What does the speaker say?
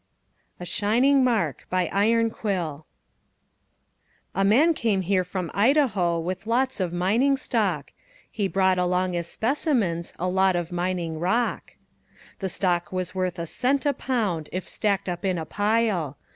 A SHINING MARK BY IRONQUILL A man came here from Idaho, With lots of mining stock. He brought along as specimens A lot of mining rock. The stock was worth a cent a pound If stacked up in a pile.